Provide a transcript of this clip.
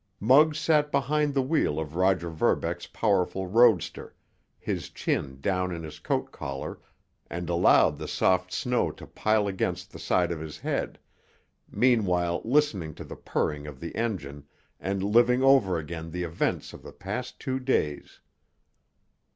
Muggs sat behind the wheel of Roger Verbeck's powerful roadster, his chin down in his coat collar, and allowed the soft snow to pile against the side of his head, meanwhile listening to the purring of the engine and living over again the events of the past two days.